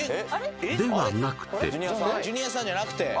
ではなくてジュニアさんじゃなくて？